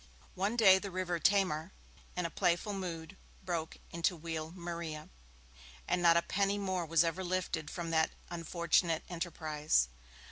One day the river Tamar, in a playful mood, broke into Wheal Maria, and not a penny more was ever lifted from that unfortunate enterprise.